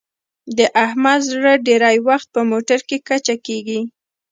د احمد زړه ډېری وخت په موټرکې کچه کېږي.